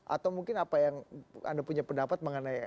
atau mungkin apa yang anda punya pendapat mengenai